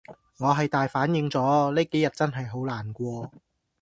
我係大反應咗，呢幾日真係好難過